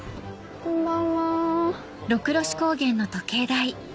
こんばんは。